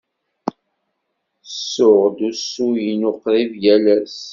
Ttessuɣ-d usu-inu qrib yal ass.